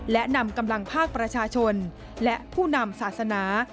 และนำกำลังภาคประชาชนและผู้นำศาสนา